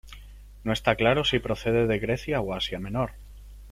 No está claro si procede de Grecia o Asia Menor.